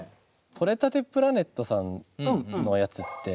採れたてプラネットさんのやつって。